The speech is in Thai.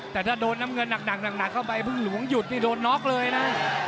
แต่ถ้าโดนน้ำเงินหนักเข้าไปพึ่งหลวงหยุดนี่โดนน็อกเลยนะ